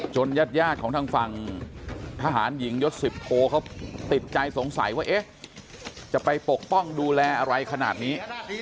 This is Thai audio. ญาติของทางฝั่งทหารหญิงยศ๑๐โทเขาติดใจสงสัยว่าจะไปปกป้องดูแลอะไรขนาดนี้